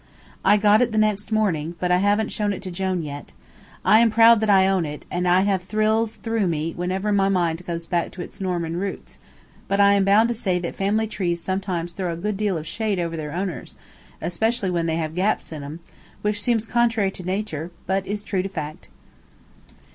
I got it the next morning, but I haven't shown it to Jone yet. I am proud that I own it, and I have thrills through me whenever my mind goes back to its Norman roots; but I am bound to say that family trees sometimes throw a good deal of shade over their owners, especially when they have gaps in them, which seems contrary to nature, but is true to fact.